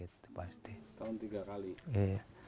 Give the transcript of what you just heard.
setahun tiga kali iya